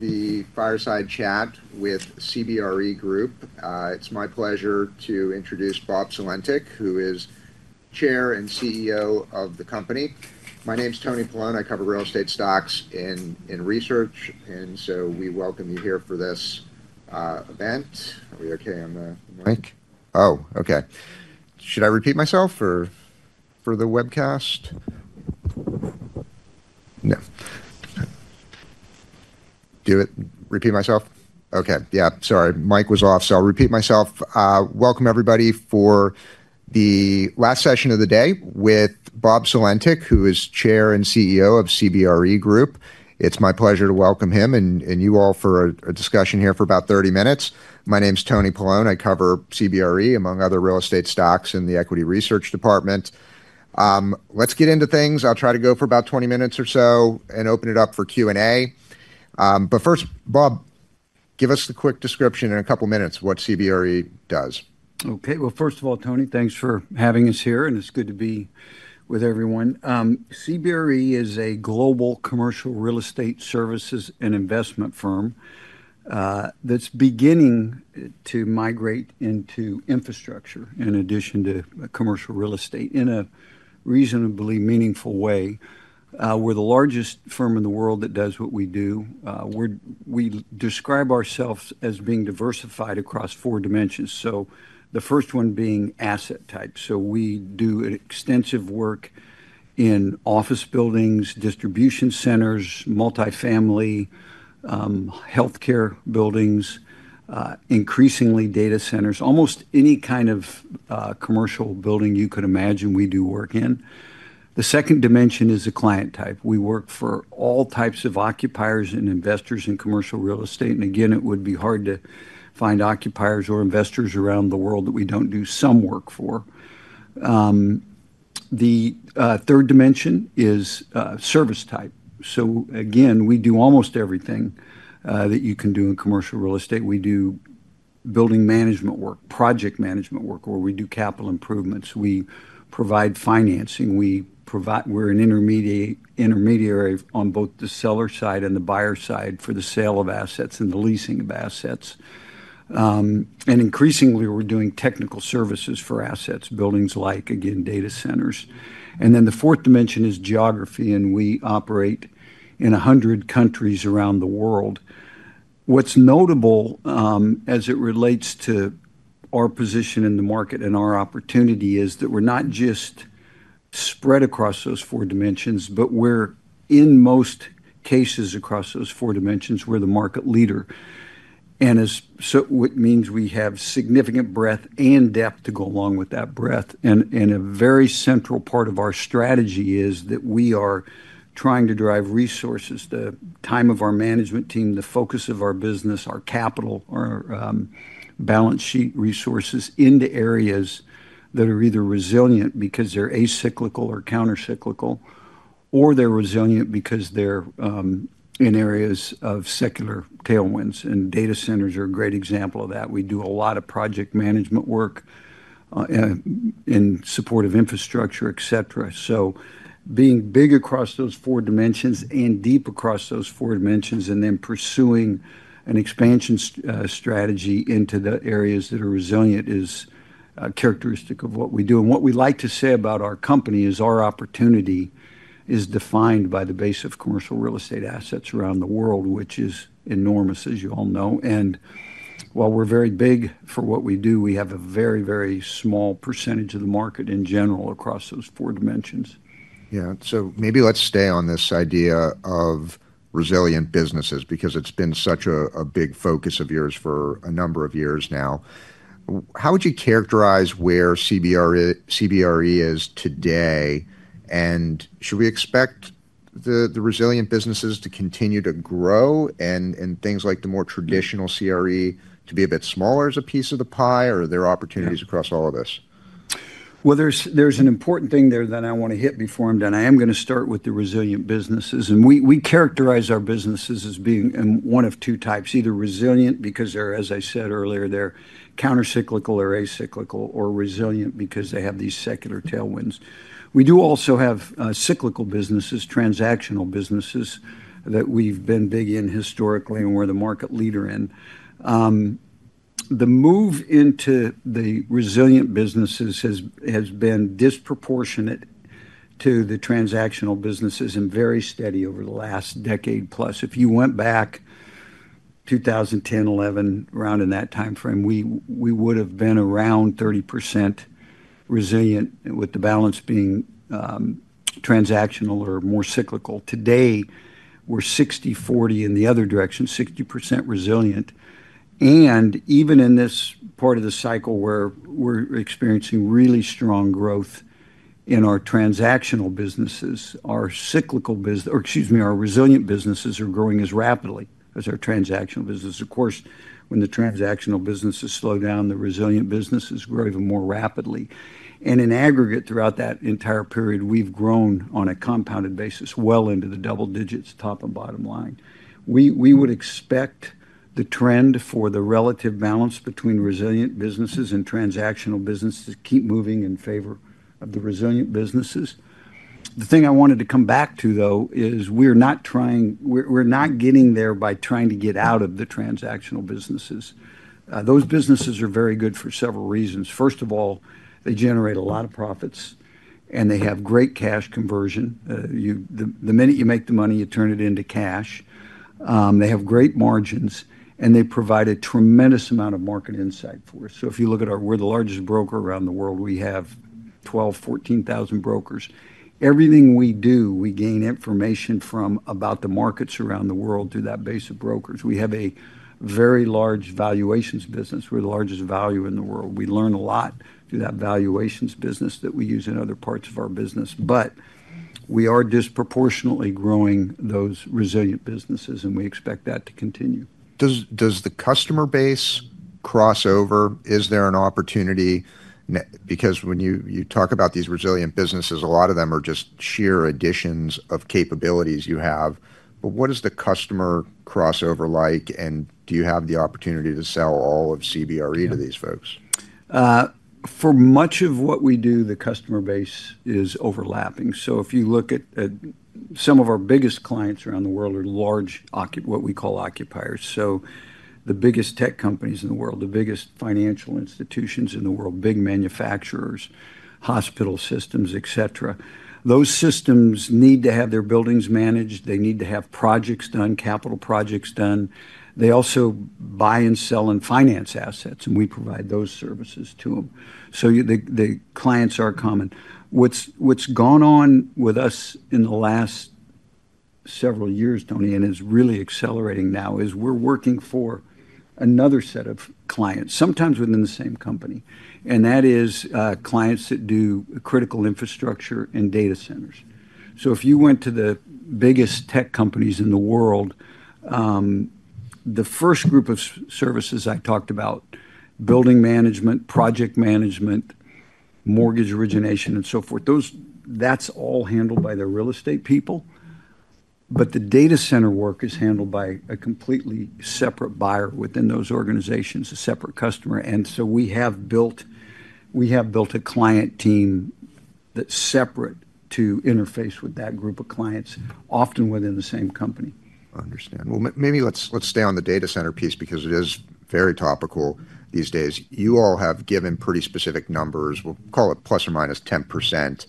The fireside chat with CBRE Group. It's my pleasure to introduce Bob Sulentic, who is Chair and CEO of the company. My name's Tony Palaone. I cover real estate stocks and research, and so we welcome you here for this event. Are we okay on the mic? Oh, okay. Should I repeat myself for the webcast? No. Do it. Repeat myself? Okay. Yeah. Sorry. Mic was off, so I'll repeat myself. Welcome, everybody, for the last session of the day with Bob Sulentic, who is Chair and CEO of CBRE Group. It's my pleasure to welcome him and you all for a discussion here for about 30 minutes. My name's Tony Paolone. I cover CBRE, among other real estate stocks in the equity research department. Let's get into things. I'll try to go for about 20 minutes or so and open it up for Q&A. But first, Bob, give us a quick description in a couple of minutes of what CBRE does. Okay. First of all, Tony, thanks for having us here, and it's good to be with everyone. CBRE is a global commercial real estate services and investment firm that's beginning to migrate into infrastructure in addition to commercial real estate in a reasonably meaningful way. We're the largest firm in the world that does what we do. We describe ourselves as being diversified across four dimensions, the first one being asset types. We do extensive work in office buildings, distribution centers, multifamily, healthcare buildings, increasingly data centers, almost any kind of commercial building you could imagine we do work in. The second dimension is the client type. We work for all types of occupiers and investors in commercial real estate. Again, it would be hard to find occupiers or investors around the world that we don't do some work for. The third dimension is service type. Again, we do almost everything that you can do in commercial real estate. We do building management work, project management work, or we do capital improvements. We provide financing. We're an intermediary on both the seller side and the buyer side for the sale of assets and the leasing of assets. Increasingly, we're doing technical services for assets, buildings like, again, data centers. The fourth dimension is geography, and we operate in 100 countries around the world. What's notable as it relates to our position in the market and our opportunity is that we're not just spread across those four dimensions, but we're, in most cases across those four dimensions, we're the market leader. It means we have significant breadth and depth to go along with that breadth. A very central part of our strategy is that we are trying to drive resources, the time of our management team, the focus of our business, our capital, our balance sheet resources into areas that are either resilient because they are acyclical or countercyclical, or they are resilient because they are in areas of secular tailwinds. Data centers are a great example of that. We do a lot of project management work in support of infrastructure, etc. Being big across those four dimensions and deep across those four dimensions and then pursuing an expansion strategy into the areas that are resilient is characteristic of what we do. What we like to say about our company is our opportunity is defined by the base of commercial real estate assets around the world, which is enormous, as you all know. While we're very big for what we do, we have a very, very small percentage of the market in general across those four dimensions. Yeah. Maybe let's stay on this idea of resilient businesses because it's been such a big focus of yours for a number of years now. How would you characterize where CBRE is today? Should we expect the resilient businesses to continue to grow and things like the more traditional CRE to be a bit smaller as a piece of the pie, or are there opportunities across all of this? There is an important thing there that I want to hit before I'm done. I am going to start with the resilient businesses. We characterize our businesses as being one of two types: either resilient because, as I said earlier, they're countercyclical or acyclical, or resilient because they have these secular tailwinds. We do also have cyclical businesses, transactional businesses that we've been big in historically and we're the market leader in. The move into the resilient businesses has been disproportionate to the transactional businesses and very steady over the last decade-plus. If you went back to 2010, 2011, around in that time frame, we would have been around 30% resilient with the balance being transactional or more cyclical. Today, we're 60/40 in the other direction, 60% resilient. Even in this part of the cycle where we're experiencing really strong growth in our transactional businesses, our cyclical business, or excuse me, our resilient businesses are growing as rapidly as our transactional businesses. Of course, when the transactional businesses slow down, the resilient businesses grow even more rapidly. In aggregate, throughout that entire period, we've grown on a compounded basis well into the double digits, top and bottom line. We would expect the trend for the relative balance between resilient businesses and transactional businesses to keep moving in favor of the resilient businesses. The thing I wanted to come back to, though, is we're not trying—we're not getting there by trying to get out of the transactional businesses. Those businesses are very good for several reasons. First of all, they generate a lot of profits, and they have great cash conversion. The minute you make the money, you turn it into cash. They have great margins, and they provide a tremendous amount of market insight for us. If you look at our—we're the largest broker around the world. We have 12,000-14,000 brokers. Everything we do, we gain information from about the markets around the world through that base of brokers. We have a very large valuations business. We're the largest valuer in the world. We learn a lot through that valuations business that we use in other parts of our business. We are disproportionately growing those resilient businesses, and we expect that to continue. Does the customer base crossover? Is there an opportunity? Because when you talk about these resilient businesses, a lot of them are just sheer additions of capabilities you have. What is the customer crossover like, and do you have the opportunity to sell all of CBRE to these folks? For much of what we do, the customer base is overlapping. If you look at some of our biggest clients around the world, they are large, what we call occupiers. The biggest tech companies in the world, the biggest financial institutions in the world, big manufacturers, hospital systems, etc. Those systems need to have their buildings managed. They need to have projects done, capital projects done. They also buy and sell and finance assets, and we provide those services to them. The clients are common. What's gone on with us in the last several years, Tony, and is really accelerating now, is we're working for another set of clients, sometimes within the same company. That is clients that do critical infrastructure and data centers. If you went to the biggest tech companies in the world, the first group of services I talked about, building management, project management, mortgage origination, and so forth, that's all handled by the real estate people. The data center work is handled by a completely separate buyer within those organizations, a separate customer. We have built a client team that's separate to interface with that group of clients, often within the same company. I understand. Maybe let's stay on the data center piece because it is very topical these days. You all have given pretty specific numbers. We'll call it ±10%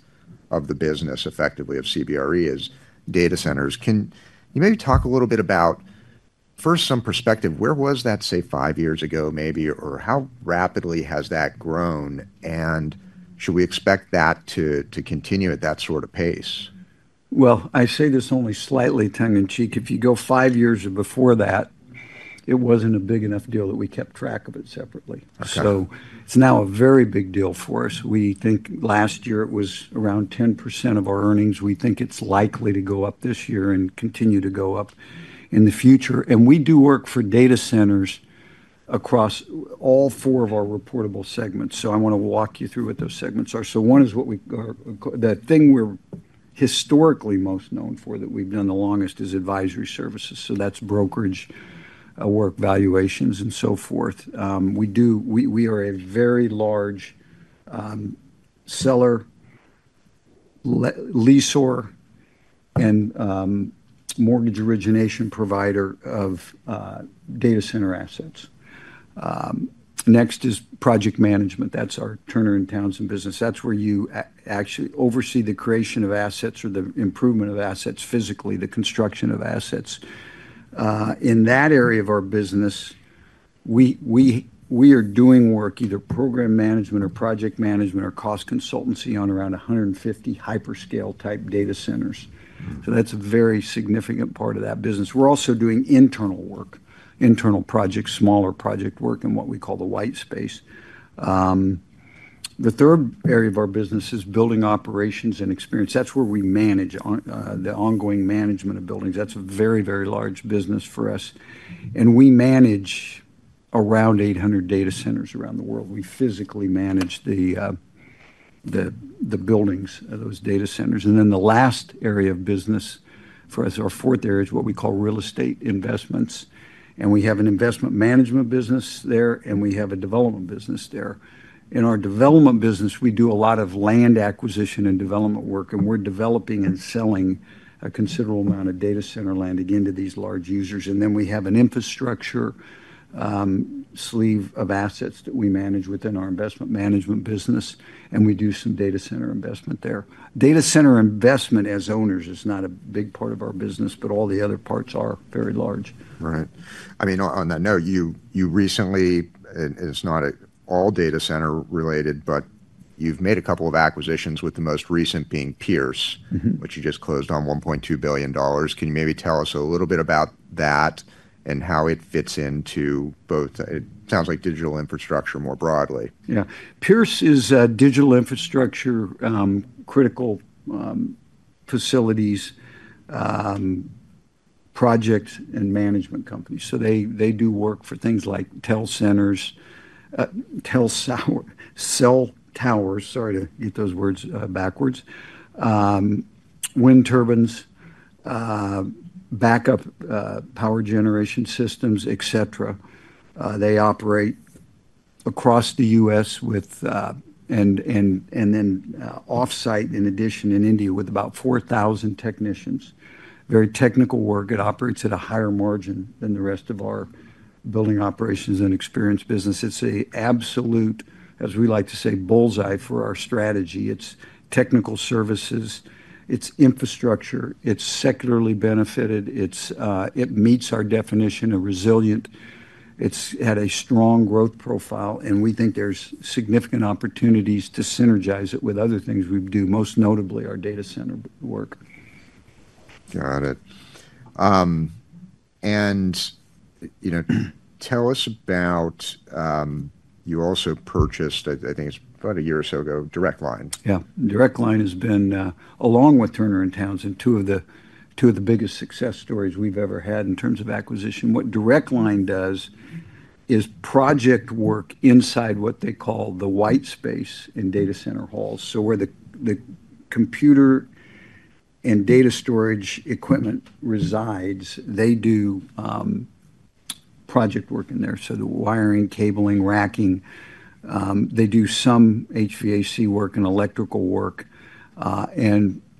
of the business, effectively, of CBRE is data centers. Can you maybe talk a little bit about, first, some perspective? Where was that, say, five years ago, maybe? Or how rapidly has that grown? Should we expect that to continue at that sort of pace? I say this only slightly, tongue in cheek. If you go five years before that, it was not a big enough deal that we kept track of it separately. It is now a very big deal for us. We think last year it was around 10% of our earnings. We think it is likely to go up this year and continue to go up in the future. We do work for data centers across all four of our reportable segments. I want to walk you through what those segments are. One is what we call the thing we are historically most known for that we have done the longest, which is advisory services. That is brokerage work, valuations, and so forth. We are a very large seller, lessor, and mortgage origination provider of data center assets. Next is project management. That is our Turner & Townsend business. That's where you actually oversee the creation of assets or the improvement of assets physically, the construction of assets. In that area of our business, we are doing work, either program management or project management or cost consultancy on around 150 hyperscale-type data centers. That is a very significant part of that business. We are also doing internal work, internal projects, smaller project work in what we call the white space. The third area of our business is building operations and experience. That is where we manage the ongoing management of buildings. That is a very, very large business for us. We manage around 800 data centers around the world. We physically manage the buildings of those data centers. The last area of business for us, our fourth area, is what we call real estate investments. We have an investment management business there, and we have a development business there. In our development business, we do a lot of land acquisition and development work. We are developing and selling a considerable amount of data center land again to these large users. We have an infrastructure sleeve of assets that we manage within our investment management business. We do some data center investment there. Data center investment as owners is not a big part of our business, but all the other parts are very large. Right. I mean, on that note, you recently, and it's not all data center related, but you've made a couple of acquisitions, with the most recent being Pearce, which you just closed on $1.2 billion. Can you maybe tell us a little bit about that and how it fits into both? It sounds like digital infrastructure more broadly. Yeah. Pearce Services is a digital infrastructure critical facilities project management company. They do work for things like tel centers, tel towers—sorry to get those words backwards—wind turbines, backup power generation systems, etc. They operate across the US and then off-site, in addition, in India with about 4,000 technicians. Very technical work. It operates at a higher margin than the rest of our building operations and experience business. It is an absolute, as we like to say, bullseye for our strategy. It is technical services. It is infrastructure. It is secularly benefited. It meets our definition of resilient. It has had a strong growth profile. We think there are significant opportunities to synergize it with other things we do, most notably our data center work. Got it. Tell us about, you also purchased, I think it's about a year or so ago, DirectLine. Yeah. DirectLine has been, along with Turner & Townsend, two of the biggest success stories we've ever had in terms of acquisition. What DirectLine does is project work inside what they call the white space in data center halls. So where the computer and data storage equipment resides, they do project work in there. The wiring, cabling, racking. They do some HVAC work and electrical work.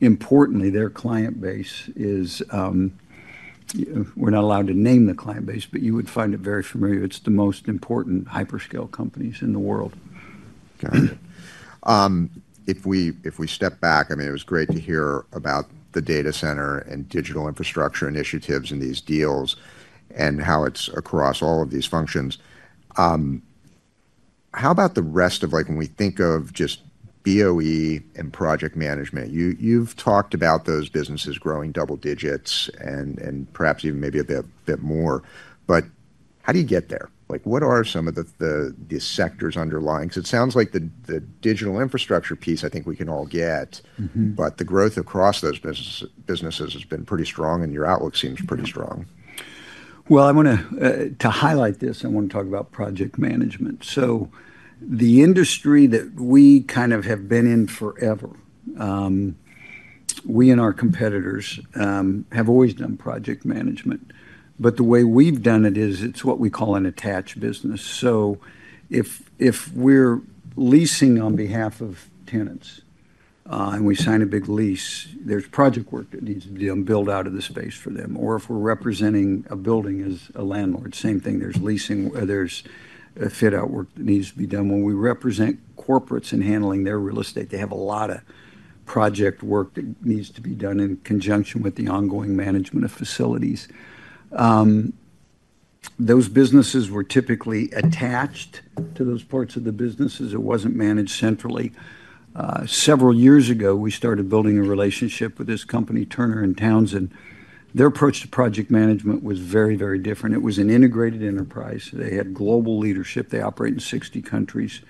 Importantly, their client base is, we're not allowed to name the client base, but you would find it very familiar. It's the most important hyperscale companies in the world. Got it. If we step back, I mean, it was great to hear about the data center and digital infrastructure initiatives and these deals and how it is across all of these functions. How about the rest of when we think of just BOE and project management? You have talked about those businesses growing double digits and perhaps even maybe a bit more. How do you get there? What are some of the sectors underlying? Because it sounds like the digital infrastructure piece, I think we can all get, but the growth across those businesses has been pretty strong, and your outlook seems pretty strong. To highlight this, I want to talk about project management. The industry that we kind of have been in forever, we and our competitors have always done project management. The way we've done it is it's what we call an attached business. If we're leasing on behalf of tenants and we sign a big lease, there's project work that needs to be done, built out of the space for them. If we're representing a building as a landlord, same thing. There's leasing, there's fit-out work that needs to be done. When we represent corporates in handling their real estate, they have a lot of project work that needs to be done in conjunction with the ongoing management of facilities. Those businesses were typically attached to those parts of the businesses. It wasn't managed centrally. Several years ago, we started building a relationship with this company, Turner & Townsend. Their approach to project management was very, very different. It was an integrated enterprise. They had global leadership. They operate in 60 countries.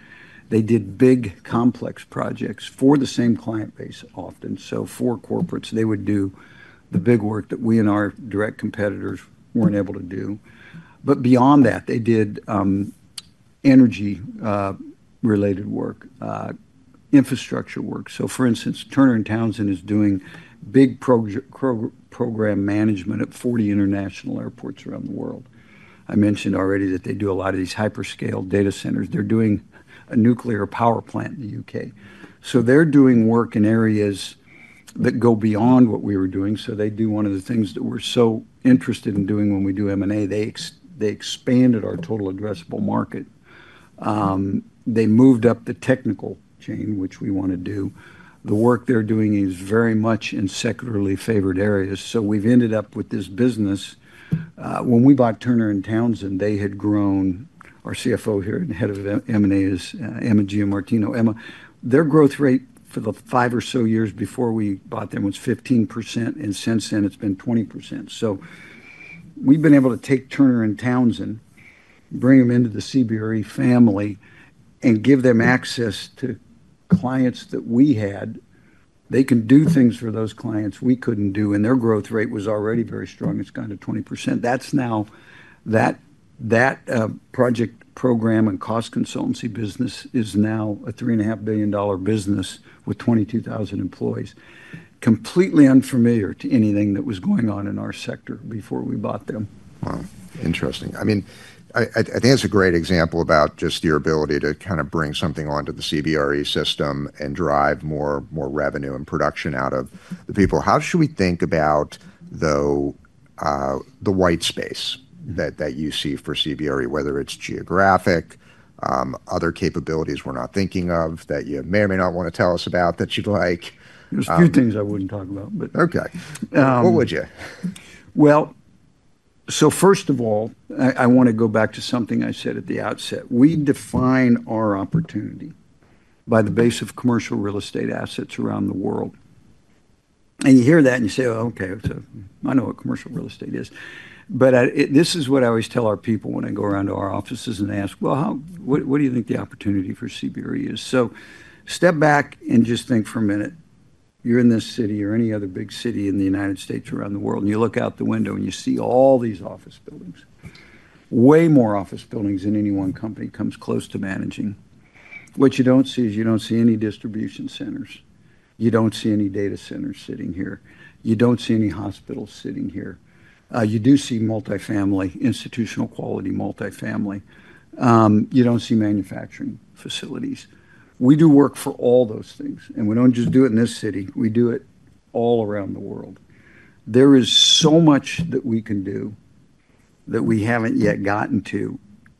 They did big, complex projects for the same client base, often, so for corporates. They would do the big work that we and our direct competitors were not able to do. Beyond that, they did energy-related work, infrastructure work. For instance, Turner & Townsend is doing big program management at 40 international airports around the world. I mentioned already that they do a lot of these hyperscale data centers. They are doing a nuclear power plant in the UK They are doing work in areas that go beyond what we were doing. They do one of the things that we are so interested in doing when we do M&A. They expanded our total addressable market. They moved up the technical chain, which we want to do. The work they're doing is very much in secularly favored areas. We have ended up with this business. When we bought Turner & Townsend, they had grown. Our CFO here and head of M&A is Emma Giamartino. Emma, their growth rate for the five or so years before we bought them was 15%. Since then, it has been 20%. We have been able to take Turner & Townsend, bring them into the CBRE family, and give them access to clients that we had. They can do things for those clients we could not do. Their growth rate was already very strong. It has gone to 20%. That project program and cost consultancy business is now a $3.5 billion business with 22,000 employees, completely unfamiliar to anything that was going on in our sector before we bought them. Wow. Interesting. I mean, I think that's a great example about just your ability to kind of bring something onto the CBRE system and drive more revenue and production out of the people. How should we think about, though, the white space that you see for CBRE, whether it's geographic, other capabilities we're not thinking of that you may or may not want to tell us about that you'd like? There's a few things I wouldn't talk about. Okay. What would you? First of all, I want to go back to something I said at the outset. We define our opportunity by the base of commercial real estate assets around the world. You hear that and you say, "Okay, I know what commercial real estate is." This is what I always tell our people when I go around to our offices and ask, "What do you think the opportunity for CBRE is?" Step back and just think for a minute. You are in this city or any other big city in the United States or around the world, and you look out the window and you see all these office buildings, way more office buildings than any one company comes close to managing. What you do not see is you do not see any distribution centers. You do not see any data centers sitting here. You don't see any hospitals sitting here. You do see multifamily, institutional quality multifamily. You don't see manufacturing facilities. We do work for all those things. We don't just do it in this city. We do it all around the world. There is so much that we can do that we haven't yet gotten to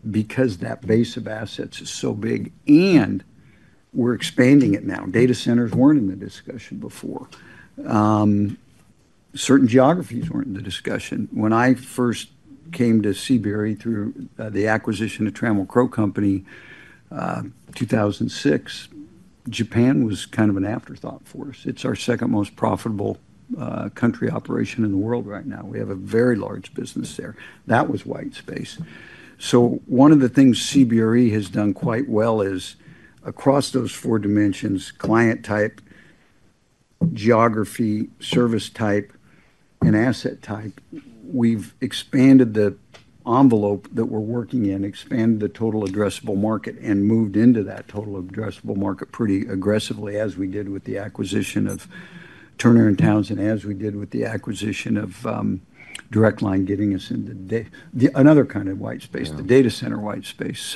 because that base of assets is so big. We're expanding it now. Data centers weren't in the discussion before. Certain geographies weren't in the discussion. When I first came to CBRE through the acquisition of Trammell Crow Company in 2006, Japan was kind of an afterthought for us. It's our second most profitable country operation in the world right now. We have a very large business there. That was white space. One of the things CBRE has done quite well is across those four dimensions: client type, geography, service type, and asset type, we've expanded the envelope that we're working in, expanded the total addressable market, and moved into that total addressable market pretty aggressively as we did with the acquisition of Turner & Townsend, as we did with the acquisition of DirectLine, getting us into another kind of white space, the data center white space.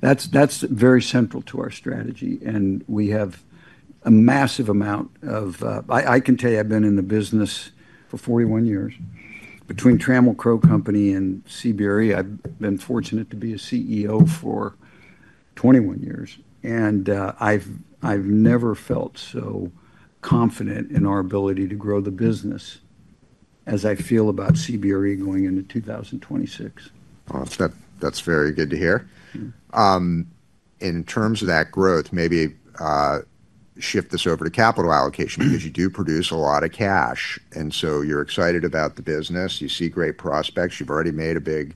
That's very central to our strategy. We have a massive amount of, I can tell you, I've been in the business for 41 years. Between Trammell Crow Company and CBRE, I've been fortunate to be a CEO for 21 years. I've never felt so confident in our ability to grow the business as I feel about CBRE going into 2026. Wow. That's very good to hear. In terms of that growth, maybe shift this over to capital allocation because you do produce a lot of cash. You are excited about the business. You see great prospects. You have already made a big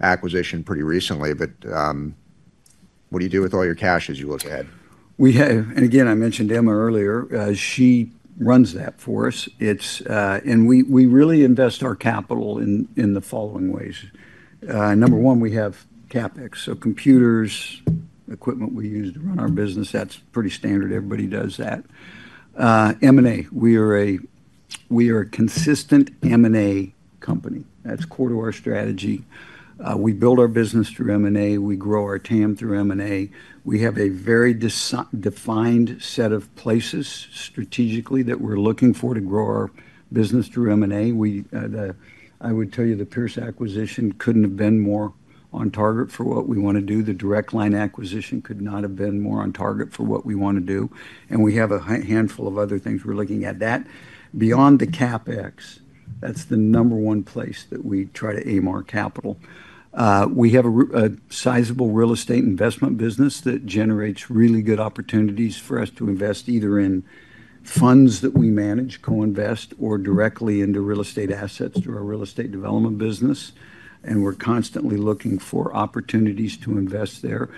acquisition pretty recently. What do you do with all your cash as you look ahead? We have, and again, I mentioned Emma earlier. She runs that for us. We really invest our capital in the following ways. Number one, we have CapEx. Computers, equipment we use to run our business, that's pretty standard. Everybody does that. M&A. We are a consistent M&A company. That's core to our strategy. We build our business through M&A. We grow our TAM through M&A. We have a very defined set of places strategically that we're looking for to grow our business through M&A. I would tell you the Pearce acquisition could not have been more on target for what we want to do. The DirectLine acquisition could not have been more on target for what we want to do. We have a handful of other things we're looking at. Beyond the CapEx, that's the number one place that we try to aim our capital. We have a sizable real estate investment business that generates really good opportunities for us to invest either in funds that we manage, coinvest, or directly into real estate assets through our real estate development business. We are constantly looking for opportunities to invest there,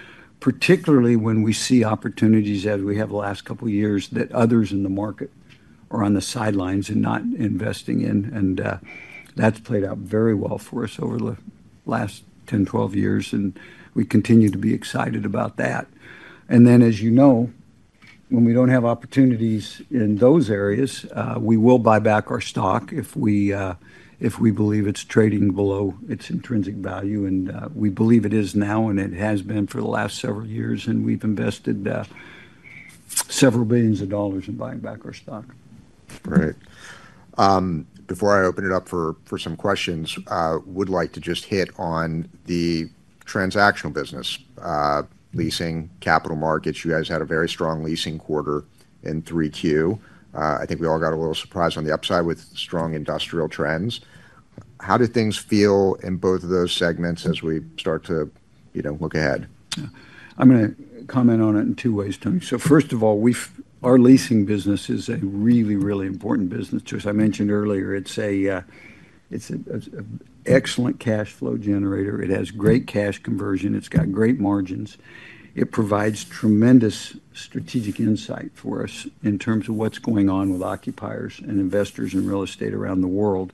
particularly when we see opportunities as we have the last couple of years that others in the market are on the sidelines and not investing in. That has played out very well for us over the last 10-12 years. We continue to be excited about that. As you know, when we do not have opportunities in those areas, we will buy back our stock if we believe it is trading below its intrinsic value. We believe it is now, and it has been for the last several years. We have invested several billions of dollars in buying back our stock. Great. Before I open it up for some questions, I would like to just hit on the transactional business, leasing, capital markets. You guys had a very strong leasing quarter in 3Q. I think we all got a little surprise on the upside with strong industrial trends. How do things feel in both of those segments as we start to look ahead? I'm going to comment on it in two ways, Tony. First of all, our leasing business is a really, really important business. As I mentioned earlier, it's an excellent cash flow generator. It has great cash conversion. It's got great margins. It provides tremendous strategic insight for us in terms of what's going on with occupiers and investors in real estate around the world.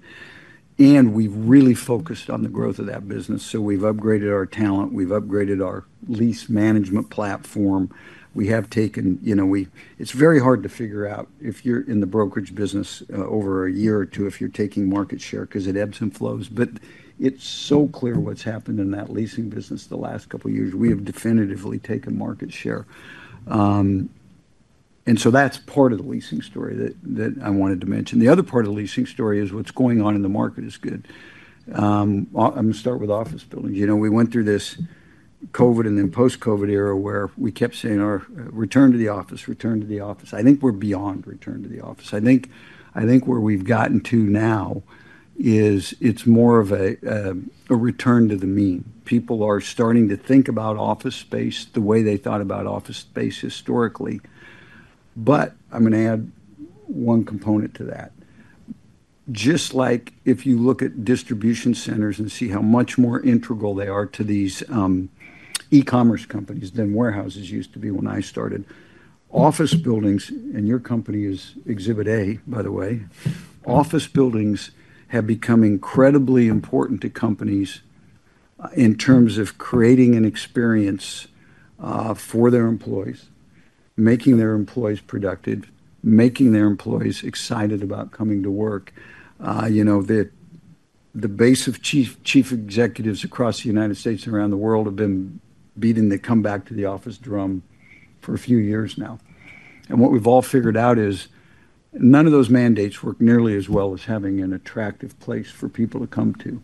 We've really focused on the growth of that business. We've upgraded our talent. We've upgraded our lease management platform. It's very hard to figure out if you're in the brokerage business over a year or two if you're taking market share because it ebbs and flows. It's so clear what's happened in that leasing business the last couple of years. We have definitively taken market share. That's part of the leasing story that I wanted to mention. The other part of the leasing story is what's going on in the market is good. I'm going to start with office buildings. We went through this COVID and then post-COVID era where we kept saying our return to the office, return to the office. I think we're beyond return to the office. I think where we've gotten to now is it's more of a return to the mean. People are starting to think about office space the way they thought about office space historically. I'm going to add one component to that. Just like if you look at distribution centers and see how much more integral they are to these e-commerce companies than warehouses used to be when I started, office buildings, and your company is Exhibit A, by the way, office buildings have become incredibly important to companies in terms of creating an experience for their employees, making their employees productive, making their employees excited about coming to work. The base of chief executives across the United States and around the world have been beating the come back to the office drum for a few years now. What we've all figured out is none of those mandates work nearly as well as having an attractive place for people to come to.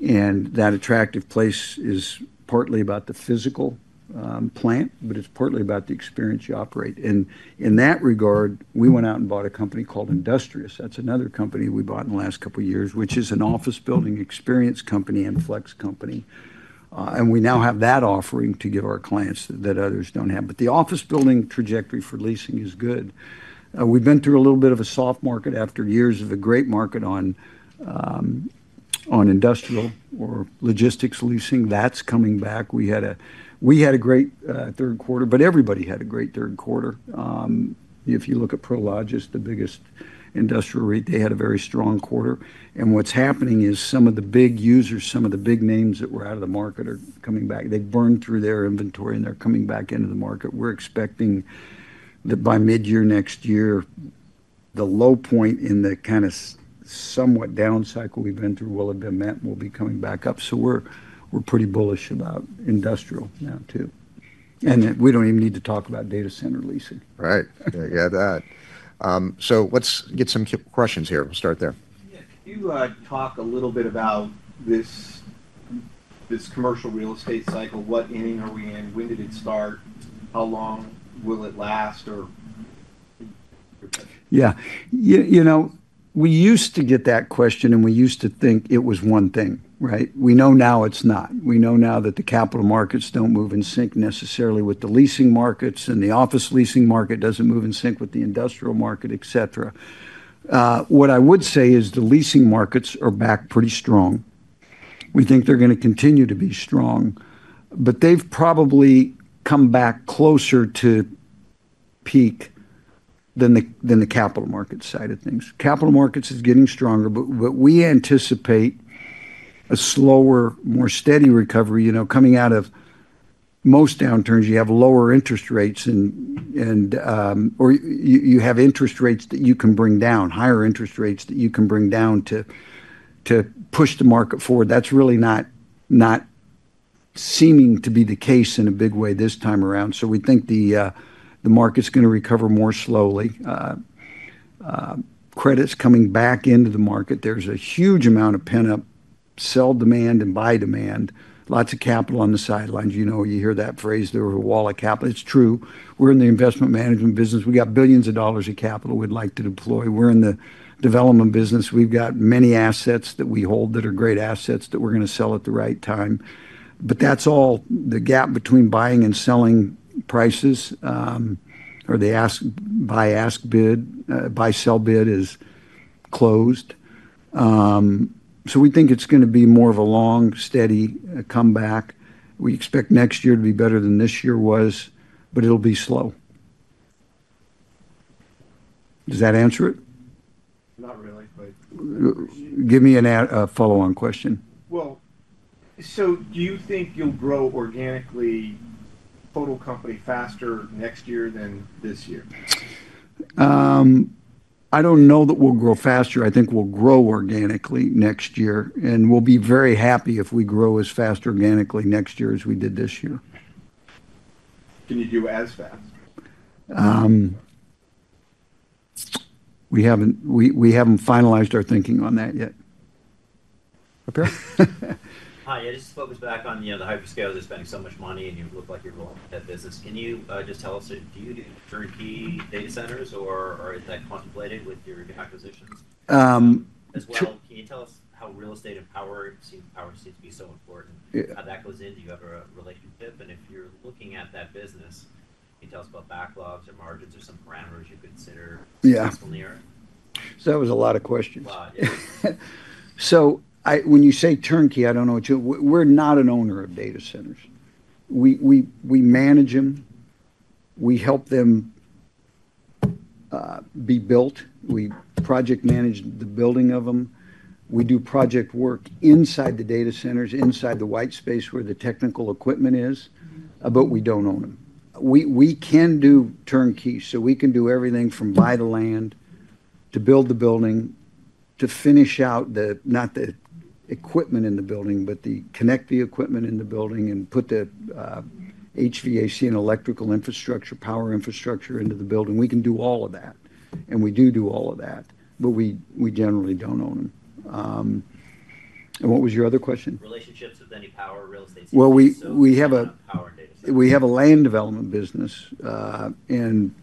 That attractive place is partly about the physical plant, but it's partly about the experience you operate. In that regard, we went out and bought a company called Industrious. That's another company we bought in the last couple of years, which is an office building experience company and flex company. We now have that offering to give our clients that others do not have. The office building trajectory for leasing is good. We have been through a little bit of a soft market after years of a great market on industrial or logistics leasing. That is coming back. We had a great third quarter, but everybody had a great third quarter. If you look at Prologis, the biggest industrial REIT, they had a very strong quarter. What is happening is some of the big users, some of the big names that were out of the market are coming back. They have burned through their inventory, and they are coming back into the market. We're expecting that by mid-year next year, the low point in the kind of somewhat down cycle we've been through will have been met, and we'll be coming back up. We're pretty bullish about industrial now too. We don't even need to talk about data center leasing. Right. Yeah, that. Let's get some questions here. We'll start there. Yeah. Can you talk a little bit about this commercial real estate cycle? What ending are we in? When did it start? How long will it last? Or your question. Yeah. You know, we used to get that question, and we used to think it was one thing, right? We know now it's not. We know now that the capital markets don't move in sync necessarily with the leasing markets, and the office leasing market doesn't move in sync with the industrial market, etc. What I would say is the leasing markets are back pretty strong. We think they're going to continue to be strong, but they've probably come back closer to peak than the capital market side of things. Capital markets is getting stronger, but we anticipate a slower, more steady recovery. Coming out of most downturns, you have lower interest rates, or you have interest rates that you can bring down, higher interest rates that you can bring down to push the market forward. That's really not seeming to be the case in a big way this time around. We think the market's going to recover more slowly. Credit's coming back into the market. There's a huge amount of pent-up sell demand and buy demand, lots of capital on the sidelines. You know, you hear that phrase there of a wall of capital. It's true. We're in the investment management business. We got billions of dollars of capital we'd like to deploy. We're in the development business. We've got many assets that we hold that are great assets that we're going to sell at the right time. That's all the gap between buying and selling prices, or the buy-ask bid, buy-sell bid is closed. We think it's going to be more of a long, steady comeback. We expect next year to be better than this year was, but it'll be slow. Does that answer it? Not really, but. Give me a follow-on question. Do you think you'll grow organically total company faster next year than this year? I don't know that we'll grow faster. I think we'll grow organically next year. We'll be very happy if we grow as fast organically next year as we did this year. Can you do as fast? We haven't finalized our thinking on that yet. Okay. Hi. I just focused back on the hyperscale that's spending so much money, and you look like you're rolling with that business. Can you just tell us, do you turn key data centers, or is that contemplated with your acquisitions? As well, can you tell us how real estate and power seems to be so important? How that goes in? Do you have a relationship? If you're looking at that business, can you tell us about backlogs or margins or some parameters you consider in the area? Yeah. That was a lot of questions. When you say turnkey, I do not know what you—we are not an owner of data centers. We manage them. We help them be built. We project manage the building of them. We do project work inside the data centers, inside the white space where the technical equipment is, but we do not own them. We can do turnkey. We can do everything from buy the land to build the building to finish out the—not the equipment in the building, but connect the equipment in the building and put the HVAC and electrical infrastructure, power infrastructure into the building. We can do all of that. We do all of that, but we generally do not own them. What was your other question? Relationships with any power real estate? We have a land development business, and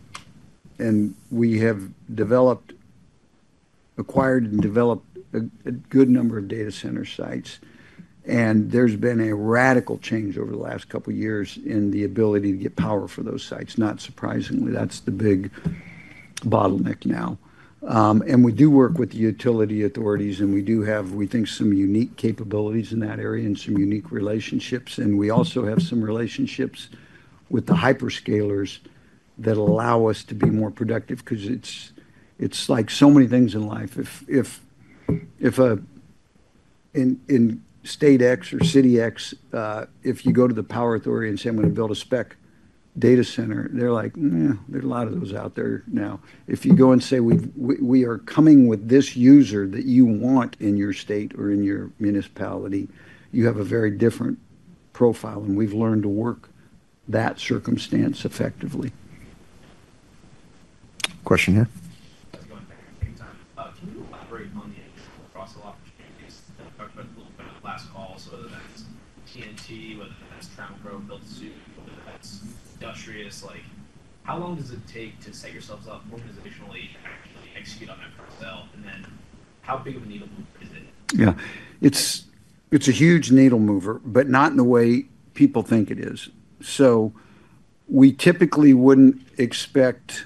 we have developed, acquired, and developed a good number of data center sites. There has been a radical change over the last couple of years in the ability to get power for those sites. Not surprisingly, that is the big bottleneck now. We do work with the utility authorities, and we do have, we think, some unique capabilities in that area and some unique relationships. We also have some relationships with the hyperscalers that allow us to be more productive because it is like so many things in life. If in state X or city X, if you go to the power authority and say, "I'm going to build a spec data center," they are like, there are a lot of those out there now. If you go and say, "We are coming with this user that you want in your state or in your municipality," you have a very different profile. We have learned to work that circumstance effectively. Question here? Just one thing at the same time. Can you elaborate on the across the opportunities? We talked about it a little bit on the last call, whether that's Turner & Townsend, whether that's Trammell Crow, BuildSoup, whether that's Industrious. How long does it take to set yourselves up organizationally to actually execute on that for yourself? How big of a needle mover is it? Yeah. It's a huge needle mover, but not in the way people think it is. We typically wouldn't expect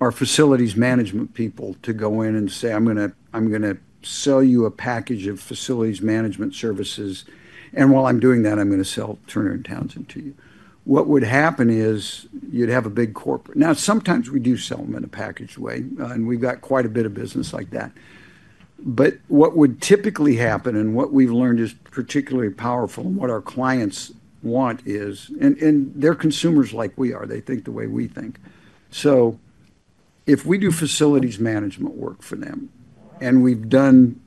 our facilities management people to go in and say, "I'm going to sell you a package of facilities management services. And while I'm doing that, I'm going to sell Turner & Townsend to you." What would happen is you'd have a big corporate. Now, sometimes we do sell them in a packaged way, and we've got quite a bit of business like that. What would typically happen, and what we've learned is particularly powerful, and what our clients want is—they're consumers like we are. They think the way we think. If we do facilities management work for them, and we've done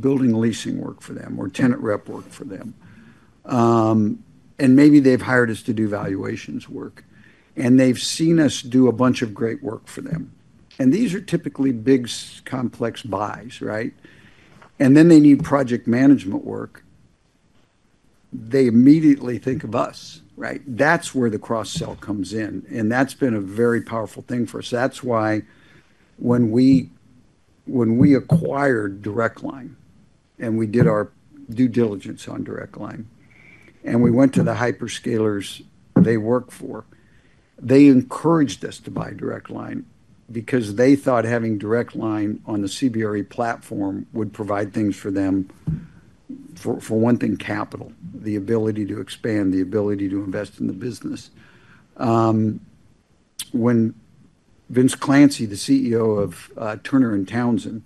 building leasing work for them or tenant rep work for them, and maybe they've hired us to do valuations work, and they've seen us do a bunch of great work for them. These are typically big complex buys, right? Then they need project management work. They immediately think of us, right? That's where the cross-sell comes in. That's been a very powerful thing for us. That's why when we acquired DirectLine and we did our due diligence on DirectLine, and we went to the hyperscalers they work for, they encouraged us to buy DirectLine because they thought having DirectLine on the CBRE platform would provide things for them, for one thing, capital, the ability to expand, the ability to invest in the business. When Vince Clancy, the CEO of Turner & Townsend,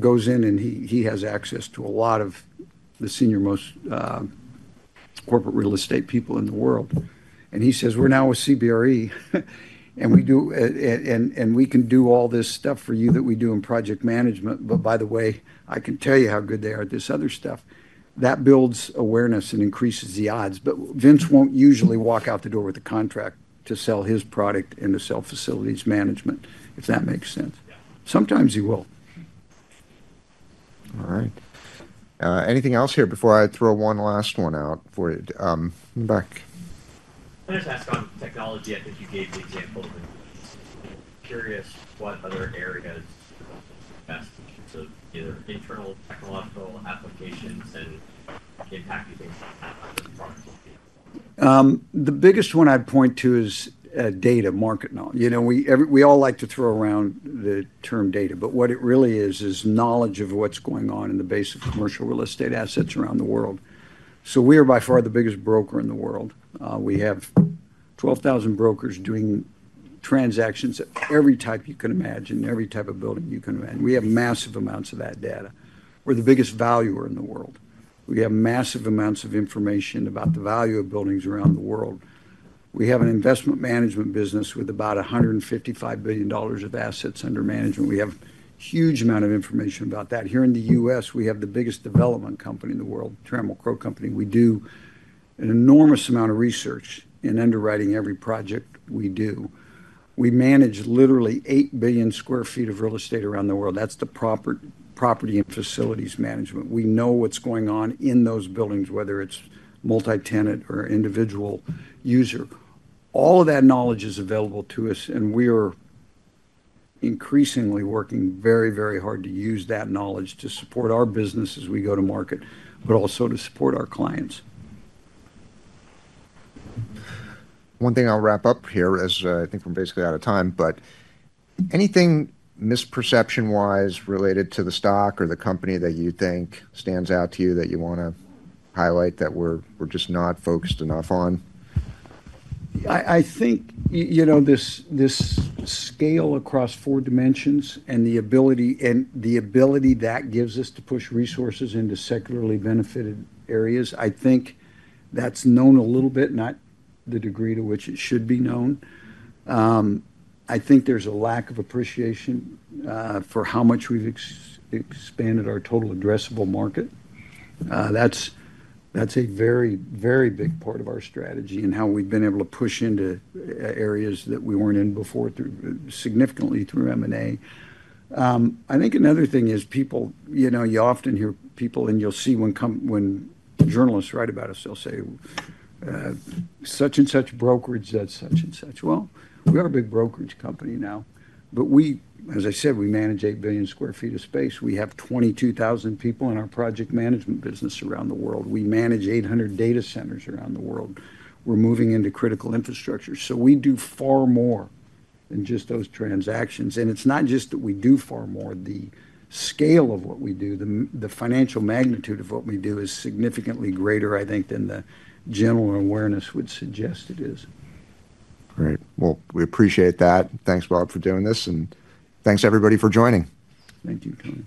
goes in, and he has access to a lot of the senior most corporate real estate people in the world. He says, "We're now a CBRE, and we can do all this stuff for you that we do in project management. By the way, I can tell you how good they are at this other stuff." That builds awareness and increases the odds. Vince won't usually walk out the door with a contract to sell his product and to sell facilities management, if that makes sense. Sometimes he will. All right. Anything else here before I throw one last one out for you? I'm going to ask on technology. I think you gave the example of. Curious what other areas are best in terms of either internal technological applications and the impact you think that product will be. The biggest one I'd point to is data, market knowledge. We all like to throw around the term data, but what it really is is knowledge of what's going on in the base of commercial real estate assets around the world. We are by far the biggest broker in the world. We have 12,000 brokers doing transactions of every type you can imagine, every type of building you can imagine. We have massive amounts of that data. We're the biggest valuer in the world. We have massive amounts of information about the value of buildings around the world. We have an investment management business with about $155 billion of assets under management. We have a huge amount of information about that. Here in the U.S., we have the biggest development company in the world, Trammell Crow Company. We do an enormous amount of research and underwriting every project we do. We manage literally 8 billion sq ft of real estate around the world. That's the property and facilities management. We know what's going on in those buildings, whether it's multi-tenant or individual user. All of that knowledge is available to us, and we are increasingly working very, very hard to use that knowledge to support our business as we go to market, but also to support our clients. One thing I'll wrap up here as I think we're basically out of time, but anything misperception-wise related to the stock or the company that you think stands out to you that you want to highlight that we're just not focused enough on? I think this scale across four dimensions and the ability that gives us to push resources into secularly benefited areas, I think that's known a little bit, not the degree to which it should be known. I think there's a lack of appreciation for how much we've expanded our total addressable market. That's a very, very big part of our strategy and how we've been able to push into areas that we were not in before significantly through M&A. I think another thing is people, you often hear people, and you'll see when journalists write about us, they'll say, "Such and such brokerage does such and such." We are a big brokerage company now. As I said, we manage 8 billion sq ft of space. We have 22,000 people in our project management business around the world. We manage 800 data centers around the world. We're moving into critical infrastructure. We do far more than just those transactions. It is not just that we do far more. The scale of what we do, the financial magnitude of what we do is significantly greater, I think, than the general awareness would suggest it is. Great. We appreciate that. Thanks, Bob, for doing this. Thanks, everybody, for joining. Thank you.